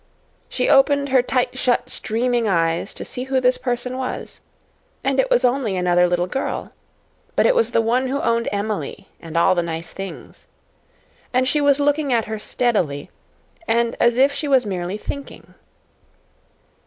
She opened her tight shut streaming eyes to see who this person was. And it was only another little girl. But it was the one who owned Emily and all the nice things. And she was looking at her steadily and as if she was merely thinking.